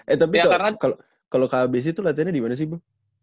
eh tapi kalau kbc tuh latihannya dimana sih bu